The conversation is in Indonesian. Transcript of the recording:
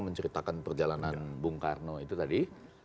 menceritakan perjalanan bung karno itu tadi